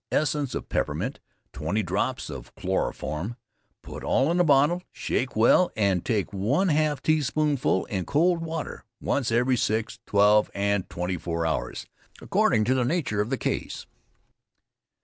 essence of peppermint, 20 drops of chloroform; put all in a bottle, shake well, and take 1/2 teaspoonful in cold water once every six, twelve and twenty four hours, according to the nature of the case.